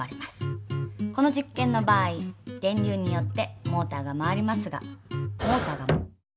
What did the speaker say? この実験の場合電流によってモーターが回りますがモータ−が。